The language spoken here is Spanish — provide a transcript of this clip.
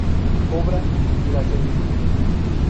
Obra: La Celestina.